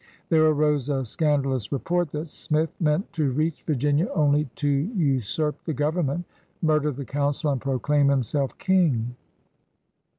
There arose a '^scandalous report that Smith meant to reach Virginia only to usurp the Government, murder the CouncO, and proclaim himself King.